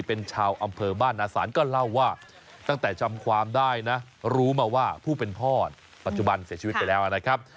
เป็นชาวอำเภอบ้านนาศาลก็เล่าว่าตั้งแต่จำความได้นะรู้มาว่าผู้เป็นพ่อปัจจุบันเสียชีวิตไปแล้วนะครับ